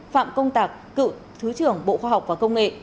phạm công tạc cựu thứ trưởng bộ khoa học và công nghệ